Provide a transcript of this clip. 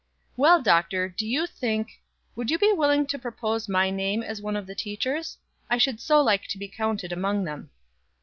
"Well, Doctor, do you think would you be willing to propose my name as one of the teachers? I should so like to be counted among them."